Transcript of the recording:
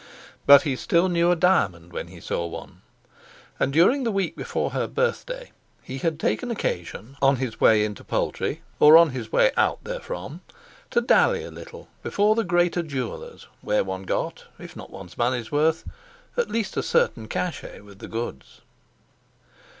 But he still knew a diamond when he saw one, and during the week before her birthday he had taken occasion, on his way into the Poultry or his way out therefrom, to dally a little before the greater jewellers where one got, if not one's money's worth, at least a certain cachet with the goods.